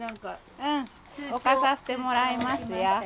置かさせてもらいますよ。